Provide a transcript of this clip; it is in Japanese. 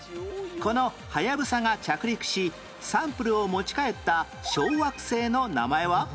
このはやぶさが着陸しサンプルを持ち帰った小惑星の名前は？